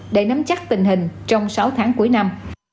để nắm chắc tình hình trong sáu tháng cuối năm